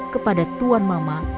kepada tuan mama